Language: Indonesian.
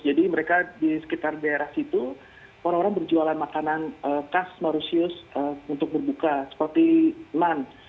jadi mereka di sekitar daerah situ orang orang berjualan makanan khas mauritius untuk berbuka seperti naan